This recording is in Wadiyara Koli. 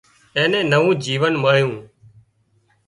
اين نين نوون جيونَ مۯيُون